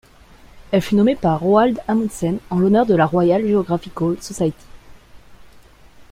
Elle fut nommée par Roald Amundsen en l'honneur de la Royal Geographical Society.